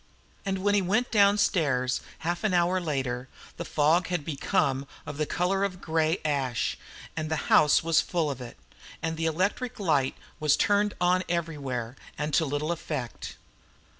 And when he went downstairs, half an hour later, the fog had become of the colour of grey ash, and the house was full of it, and the electric light was turned on everywhere, and to little effect.